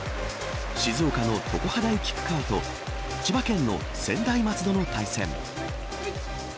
静岡の常葉大菊川と千葉県の専大松戸の対戦。